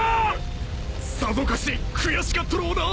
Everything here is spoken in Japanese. さぞかし悔しかったろうな。